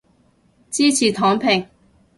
支持躺平